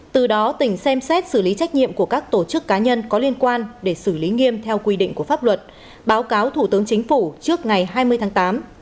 từ đó tỉnh xem xét xử lý trách nhiệm của các tổ chức cá nhân có liên quan để xử lý nghiêm theo quy định của pháp luật báo cáo thủ tướng chính phủ trước ngày hai mươi tháng tám